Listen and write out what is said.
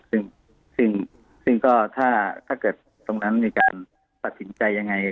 ซึ่งซึ่งก็ถ้าเกิดตรงนั้นมีการตัดสินใจยังไง